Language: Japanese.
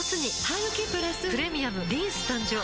ハグキプラス「プレミアムリンス」誕生